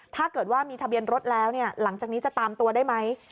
ถ้าเกิดว่ามีทะเบียนรถแล้วหลังจากนี้จะตามตัวได้ไหม